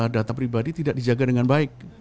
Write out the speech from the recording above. data pribadi tidak dijaga dengan baik